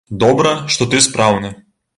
Добра, што ты спраўны.